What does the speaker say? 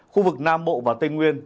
khu vực nam bộ và tây nguyên